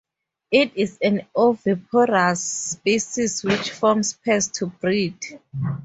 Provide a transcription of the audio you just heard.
It is an oviparous species which forms pairs to breed.